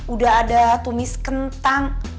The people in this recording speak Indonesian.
udah ada tumis kentang